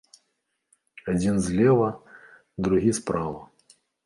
Адзін злева, другі справа.